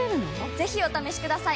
ぜひお試しください！